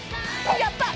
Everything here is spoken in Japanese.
やった！